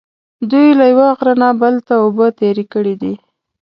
دوی له یوه غره نه بل ته اوبه تېرې کړې دي.